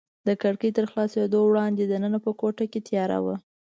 د کړکۍ تر خلاصېدو وړاندې دننه په کوټه کې تیاره وه.